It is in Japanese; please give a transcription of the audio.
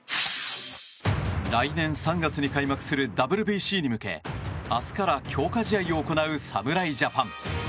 来年３月に開幕するＷＢＣに向け明日から強化試合を行う侍ジャパン。